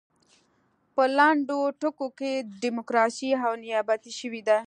په لنډو ټکو کې ډیموکراسي هم نیابتي شوې ده.